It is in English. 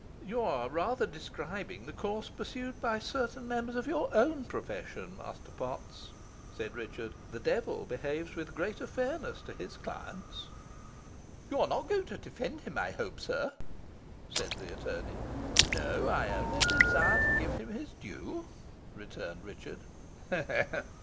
"You are rather describing the course pursued by certain members of your own profession, Master Potts," said Richard. "The devil behaves with greater fairness to his clients." "You are not going to defend him, I hope, sir?" said the attorney. "No; I only desire to give him his due," returned Richard.